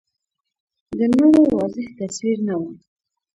د نورو واضح تصویر نه و